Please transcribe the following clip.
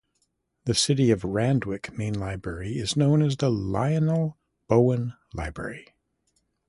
The City of Randwick main library is known as the Lionel Bowen Library.